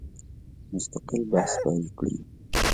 مستقل بحث پیل کړي.